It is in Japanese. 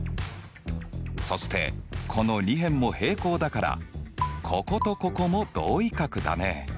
そしてこの２辺も平行だからこことここも同位角だね。